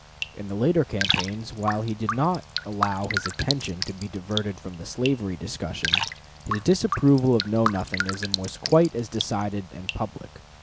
In the later campaigns, while he did not allow his attention to be diverted from the slavery discussion, his disapproval of Know Nothingism was quite as decided and as public.